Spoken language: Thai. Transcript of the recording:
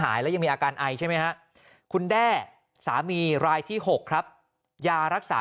แล้วยังมีอาการไอใช่ไหมฮะคุณแด้สามีรายที่๖ครับยารักษา